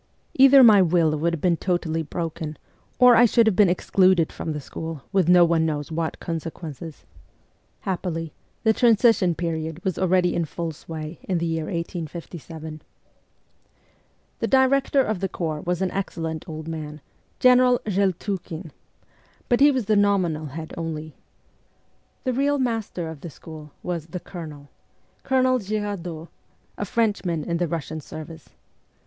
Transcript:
Either my will would have been totally broken, or I should have been excluded from the school with no one knows what 86 MEMOIRS OF A REVOLUTIONIST consequences. Happily, the transition period was already in full sway in the year 1857. The director of the corps was an excellent old man, General Zheltukhin. But he was the nominal head only. The real master of the school was ' the Colonel,' Colonel Girardot, a Frenchman in the Russian service.